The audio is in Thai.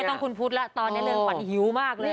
ไม่ต้องคุณพุธละตอนนี้เริ่มปัดหิวมากเลย